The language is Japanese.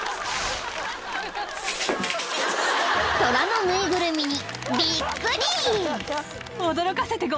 ［虎の縫いぐるみにびっくり！］